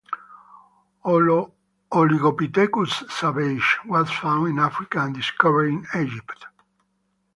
"Oligopithecus savagei" was found in Africa and discovered in Egypt.